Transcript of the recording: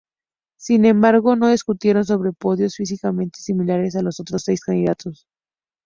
Sin embargo, no discutieron sobre podios físicamente similares a los otros seis candidatos.